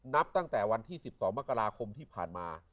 นับตั้งแต่วันที่๑๒มกราคมที่ผ่านมา